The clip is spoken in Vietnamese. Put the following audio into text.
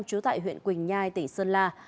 chú tại huyện quỳnh nhai tỉnh sơn la